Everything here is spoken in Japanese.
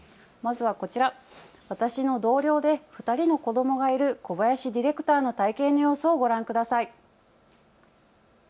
まずはこちら、私の同僚で２人の子どもがいる小林ディレクターの体験の様子をご覧ください。